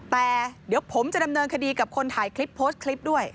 แต่เดี๋ยวผมจะดำเนินคดีกับคนถ่ายคลิปโพสต์คลิปด้วย